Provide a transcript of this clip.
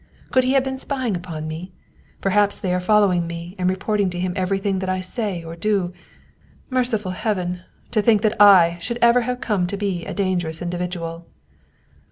Could he have been spying upon me? Perhaps they are following me and reporting to him every thing that I say or do ? Merciful Heaven ! to think that / should ever have come to be a dangerous individual